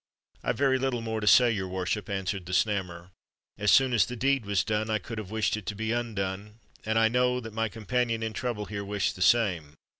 "I've very little more to say, your worship," answered the Snammer. "As soon as the deed was done, I could have wished it to be undone; and I know that my companion in trouble here, wished the same.